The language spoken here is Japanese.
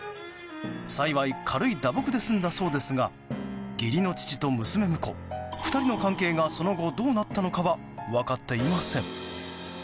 幸い軽い打撲で済んだそうですが義理の父と娘婿、２人の関係がその後どうなったのかは分かっていません。